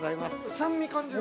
酸味感じる。